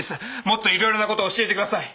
もっといろいろな事を教えて下さい。